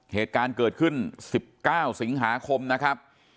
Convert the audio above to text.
เหตุการณ์เกิดขึ้น๑๙สิงหาคมนะครับ